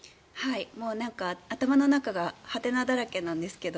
もうなんか、頭の中がハテナだらけなんですけど。